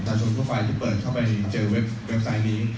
ชนทุกฝ่ายที่เปิดเข้าไปเจอเว็บไซต์นี้